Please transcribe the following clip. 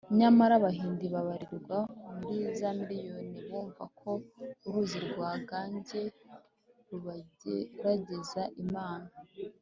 nyamara abahindi babarirwa muri za miriyoni bumva ko uruzi rwa gange rubegeraza imana